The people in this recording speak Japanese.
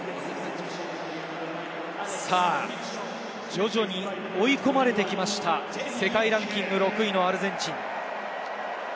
徐々に追い込まれてきました、世界ランキング６位のアルゼンチン。